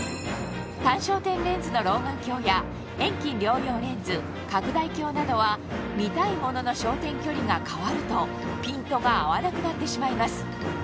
単焦点レンズの老眼鏡や遠近両用レンズ拡大鏡などは見たいものの焦点距離が変わるとピントが合わなくなってしまいます